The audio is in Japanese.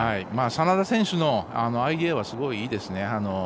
眞田選手のアイデアはすごいいいですね。